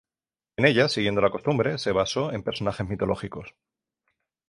En ella, siguiendo la costumbre, se basó en personajes mitológicos.